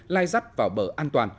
lai dắt vào bờ an toàn